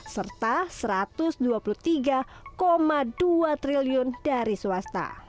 serta rp satu ratus dua puluh tiga dua triliun dari swasta